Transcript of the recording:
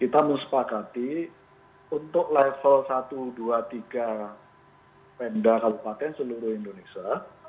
kita muspakati untuk level satu dua tiga pemda kalupaten seluruh indonesia